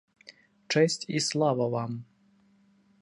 Чэсць і слава вам!